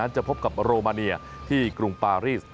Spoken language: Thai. จะพบกับโรมาเนียที่กรุงปารีส